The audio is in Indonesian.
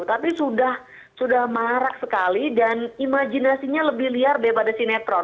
tapi sudah marak sekali dan imajinasinya lebih liar daripada sinetron